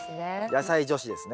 野菜女子ですね。